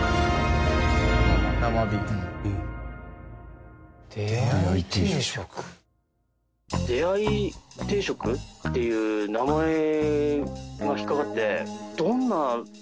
「生ビール」「出会い定食」？っていう名前が引っかかって。